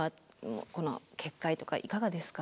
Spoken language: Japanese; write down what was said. この決壊とかいかがですか？